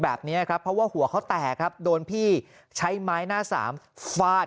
แบบนี้ครับเพราะว่าหัวเขาแตกครับโดนพี่ใช้ไม้หน้าสามฟาด